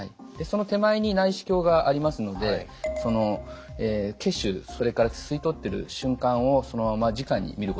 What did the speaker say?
その手前に内視鏡がありますのでその血腫それから吸い取ってる瞬間をそのままじかに見ることができます。